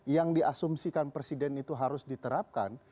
yang diasumsikan presiden itu harus diterapkan